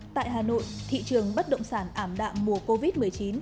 tại hà nội thị trường bất động sản ảm đạm mùa covid một mươi chín